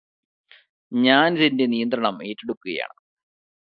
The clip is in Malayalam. ഞാനിതിന്റെ നിയന്ത്രണം ഏറ്റെടുക്കുകയാണ്